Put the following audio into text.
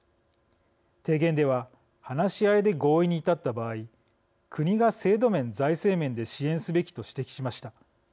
提言では話し合いで合意に至った場合国が制度面、財政面で支援すべきと指摘しました。